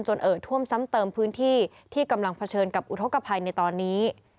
เอ่อท่วมซ้ำเติมพื้นที่ที่กำลังเผชิญกับอุทธกภัยในตอนนี้